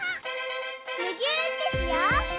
むぎゅーってしよう！